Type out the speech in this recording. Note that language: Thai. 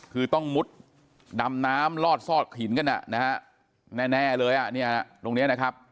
คือต้องมุดดำน้ำลอดซอดหินกันอ่ะนะฮะแน่เลยอ่ะเนี่ยตรงนี้นะครับ